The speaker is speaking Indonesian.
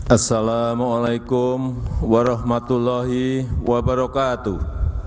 assalamu alaikum warahmatullahi wabarakatuh